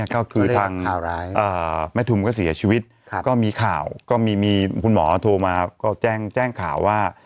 ก็คือทางแม่ทุมก็เสียชีวิตก็มีข่าวก็มีคุณหมอโทรมาก็แจ้งข่าวว่า